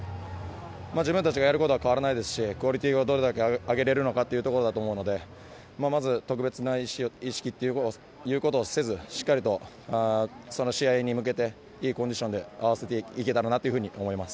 自分たちがやることは変わらないですしクオリティーをどれだけ上げられるかというところだと思うのでまず特別な意識ということをせずしっかりとその試合に向けていいコンディションで合わせていけたらなと思います。